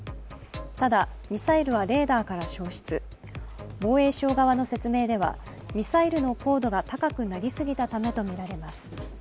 ただ、ミサイルはレーダーから消失防衛省側の説明では、ミサイルの高度が高くなりすぎたためとみられます。